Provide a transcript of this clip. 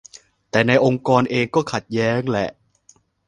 แต่ในองค์กรเองก็ขัดแย้งแหละ